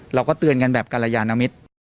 เราก็เตือนกันแบบกันระยะนามิต